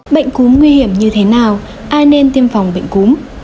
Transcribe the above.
bệnh cúm nguy hiểm như thế nào ai nên tiêm phòng bệnh cúm